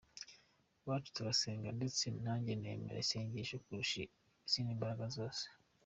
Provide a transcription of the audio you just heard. Iwacu turasenga ndetse nanjye nemera isengesho kurusha izindi mbaraga zose.